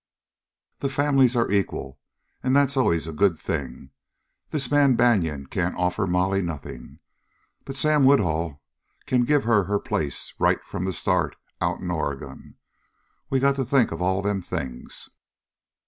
The families are equal, and that's always a good thing. This man Banion can't offer Molly nothing, but Sam Woodhull can give her her place right from the start, out in Oregon. We got to think of all them things.